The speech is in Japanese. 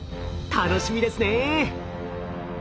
楽しみですね。